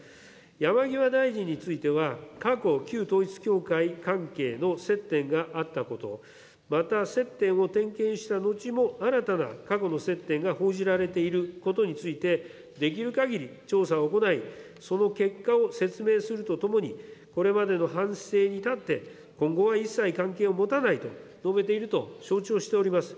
山際大臣については、過去、旧統一教会関係の接点があったこと、また接点を点検した後も、新たな過去の接点が報じられていることについて、できるかぎり調査を行い、その結果を説明するとともに、これまでの反省に立って、今後は一切関係を持たないと述べていると承知をしております。